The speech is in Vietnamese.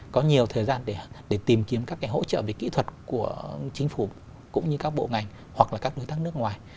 có nhiều thời gian để tìm kiếm các cái hỗ trợ về kỹ thuật của chính phủ cũng như các bộ ngành hoặc là các đối tác nước ngoài